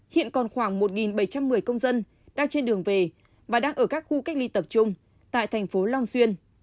hiện còn khoảng một bảy trăm một mươi công dân đang trên đường về và đang ở các khu cách ly tập trung tại thành phố long xuyên